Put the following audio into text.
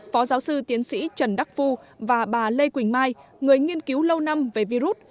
phó giáo sư tiến sĩ trần đắc phu và bà lê quỳnh mai người nghiên cứu lâu năm về virus